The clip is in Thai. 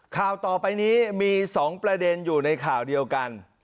ข่าวต่อไปนี้มี๒ประเด็นอยู่ในข่าวเดียวกัน